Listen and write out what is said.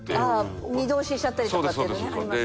２度押ししちゃったりとかっていうのねありますね。